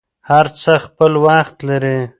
هر څه خپل وخت لري.